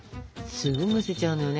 すぐ蒸せちゃうのよね。